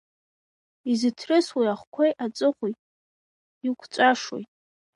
Изыҭрысуеит Ахқәеи Аҵыхәеи, иқәҵәашоит.